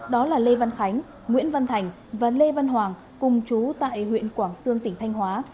đó là lê văn khánh nguyễn văn thành và lê văn hoàng cùng chú tại huyện quảng sương tỉnh thanh hóa